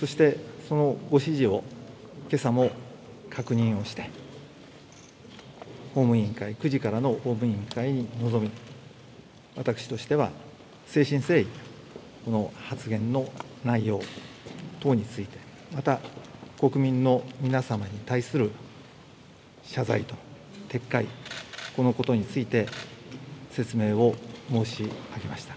そしてそのご指示をけさも確認をして、法務委員会、９時からの法務委員会に臨み、私としては誠心誠意、この発言の内容等について、また、国民の皆様に対する謝罪と撤回、このことについて、説明を申し上げました。